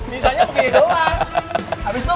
misalnya begini doang